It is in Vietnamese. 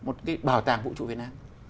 và quyết tâm xây dựng một bảo tàng vũ trụ việt nam